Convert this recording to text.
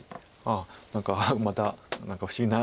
ああ何かまた不思議な。